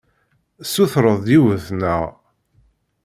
Tessutreḍ-d yiwet, naɣ?